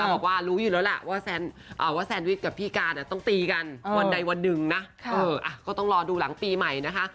บอกว่ารู้อยู่แล้วล่ะว่าแซนวิชกับพี่การต้องตีกันวันใดวันหนึ่งนะก็ต้องรอดูหลังปีใหม่นะคะ